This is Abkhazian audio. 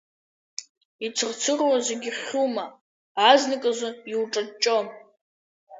Ицырцыруа зегьгьы хьума, азныказы иуҿаҷҷо?